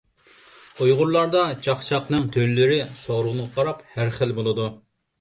ئۇيغۇرلاردا چاقچاقنىڭ تۈرلىرى سورۇنغا قاراپ ھەر خىل بولىدۇ.